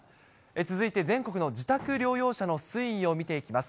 続いて全国の自宅療養者の推移を見ていきます。